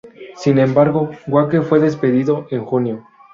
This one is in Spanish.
Sin embargo, Wake fue despedido en junio.